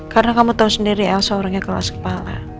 karena kamu tahu sendiri elsa orang yang kelas kepala